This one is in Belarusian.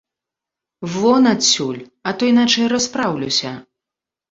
Вон адсюль, а то іначай распраўлюся!